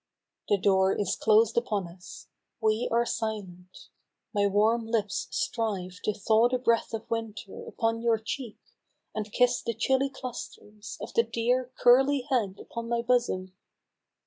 The door is closed upon us — we are silent, My warm lips strive to thaw the breath of W^inter Upon your cheek, and kiss the chilly clusters Of the dear curly head upon my bosom.